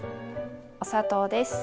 お砂糖です。